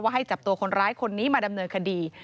ให้จับตัวคนร้ายคนนี้มาดำเนินคดี